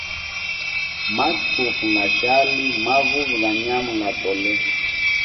Matufu ngashali, mavuvi ga nyama nga tole.